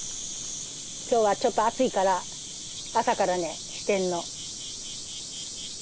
今日はちょっと暑いから朝からねしてんの。